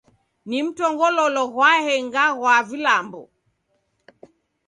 Ni mtongololo ghwaenga ghwa vilambo.